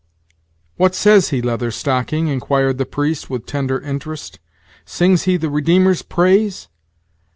"What says he, Leather Stocking?" Inquired the priest, with tender interest; "sings he the Redeemer's praise?"